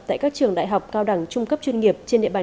tại các trường đại học cao đẳng trung cấp chuyên nghiệp